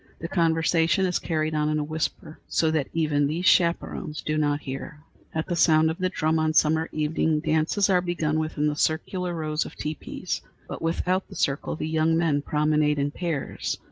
The conversation is carried on in a whisper, so that even these chaperons do not hear. At the sound of the drum on summer evenings, dances are begun within the circular rows of teepees, but without the circle the young men promenade in pairs.